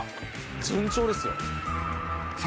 順調ですよ。